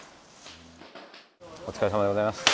お疲れさまでございます。